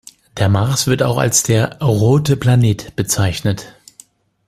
Der Mars wird auch als der „rote Planet“ bezeichnet.